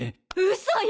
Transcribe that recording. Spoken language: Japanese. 嘘よ！